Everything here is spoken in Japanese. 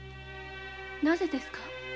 なぜですか？